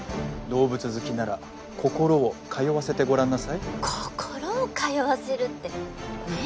「動物好きなら心を通わせてごらんなさい」心を通わせるってねえ。